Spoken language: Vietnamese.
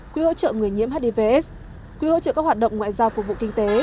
quỹ hỗ trợ người nhiễm hivs quỹ hỗ trợ các hoạt động ngoại giao phục vụ kinh tế